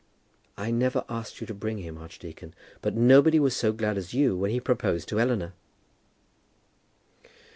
"I never asked you to bring him, archdeacon. But nobody was so glad as you when he proposed to Eleanor."